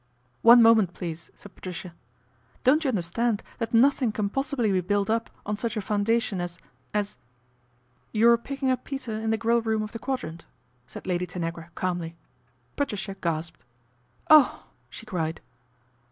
" One moment, please/' said Patricia. " Don't you understand that nothing can possibly be built up on such a foundation as as ?"" Your picking up Peter in the Grill room of the Quadrant," said Lady Tanagra calmly. Patricia gasped. " Oh !" she cried.